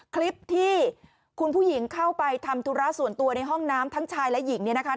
คลิปที่คุณผู้หญิงเข้าไปทำธุระส่วนตัวในห้องน้ำทั้งชายและหญิงเนี่ยนะคะ